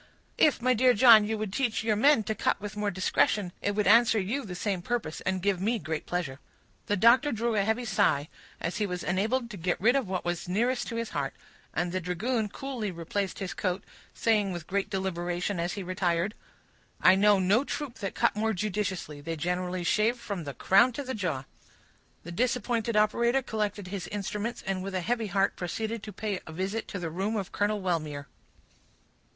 "If, my dear John, you would teach your men to cut with more discretion, it would answer you the same purpose—and give me great pleasure." The doctor drew a heavy sigh, as he was enabled to get rid of what was nearest to the heart; and the dragoon coolly replaced his coat, saying with great deliberation as he retired,— "I know no troop that cut more judiciously; they generally shave from the crown to the jaw." The disappointed operator collected his instruments, and with a heavy heart proceeded to pay a visit to the room of Colonel Wellmere.